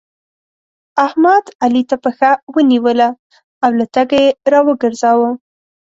احمد؛ علي ته پښه ونيوله او له تګه يې راوګرځاوو.